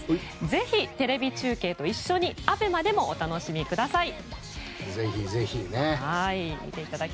ぜひテレビ中継と一緒にＡＢＥＭＡでもお楽しみください。